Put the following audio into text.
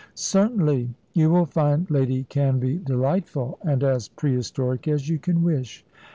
"Certainly. You will find Lady Canvey delightful, and as pre historic as you can wish.